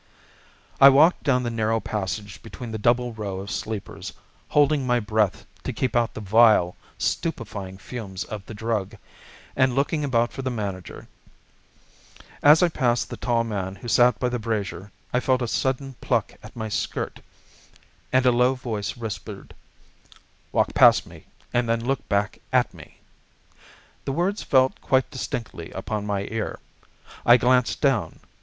I walked down the narrow passage between the double row of sleepers, holding my breath to keep out the vile, stupefying fumes of the drug, and looking about for the manager. As I passed the tall man who sat by the brazier I felt a sudden pluck at my skirt, and a low voice whispered, "Walk past me, and then look back at me." The words fell quite distinctly upon my ear. I glanced down.